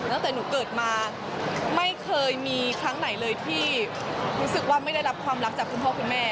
ตั้งแต่หนูเกิดมาไม่เคยมีครั้งไหนเลยที่รู้สึกว่าไม่ได้รับความรักจากคุณพ่อคุณแม่